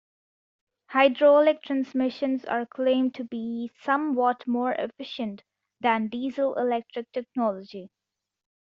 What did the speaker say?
Hydraulic transmissions are claimed to be somewhat more efficient than diesel-electric technology.